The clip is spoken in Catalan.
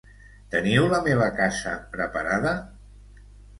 Teniu la meva casa preparada?